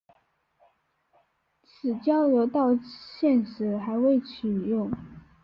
此交流道现时还未启用。